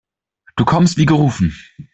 Du kommst wie gerufen.